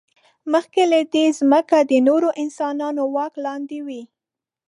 مخکې له دې، ځمکې د نورو انسانانو واک لاندې وې.